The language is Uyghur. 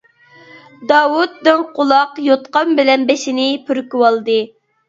داۋۇت دىڭ قۇلاق يوتقان بىلەن بېشىنى پۈركىۋالدى.